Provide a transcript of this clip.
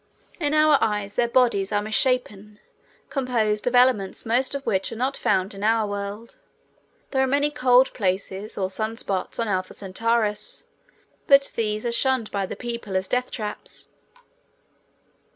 In our eyes, their bodies are misshapen, composed of elements most of which are not found in our world. There are many cold places, or sun spots, on Alpha Centaurus, but these are shunned by the people as death traps.